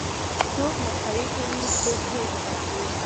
څوک مسخرې کوي څوک غېږه باسي.